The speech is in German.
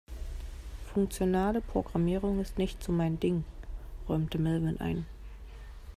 Funktionale Programmierung ist nicht so mein Ding, räumte Melvin ein.